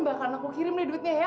bahkan aku kirim deh duitnya ya